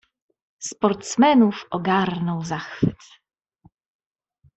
"Sportsmenów ogarnął zachwyt."